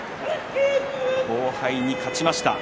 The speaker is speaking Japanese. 後輩に勝ちました。